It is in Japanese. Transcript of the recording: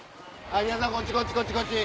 はい。